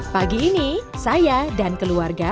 pagi ini saya dan keluarga